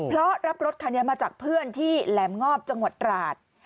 เพราะรับรถคันนี้มาจากเพื่อนที่แหลมงอบจังหวัดตราด